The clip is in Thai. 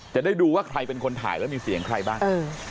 จะได้ดูว่าใครเป็นคนถ่ายแล้วมีเสียงใครบ้าง